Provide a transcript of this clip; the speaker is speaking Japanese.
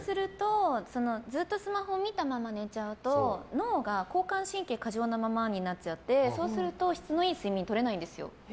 そうするとずっとスマホを持ったまま寝ちゃうと脳が交感神経過剰なままになっちゃってそうすると、質のいい睡眠がとれないんですよ。